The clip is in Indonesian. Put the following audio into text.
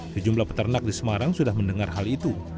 sejumlah peternak di semarang sudah mendengar hal itu